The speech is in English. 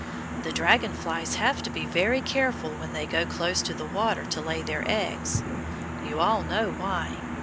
The dragon flies have to be very careful when they go close to the water to lay their eggs. You all know why.